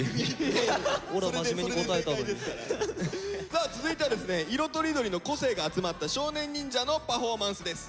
さあ続いてはですね色とりどりの個性が集まった少年忍者のパフォーマンスです。